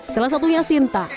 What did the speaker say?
salah satunya sinta